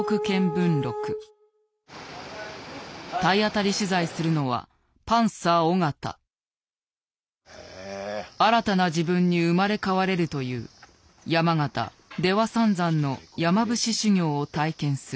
体当たり取材するのは新たな自分に生まれ変われるという山形・出羽三山の山伏修行を体験する。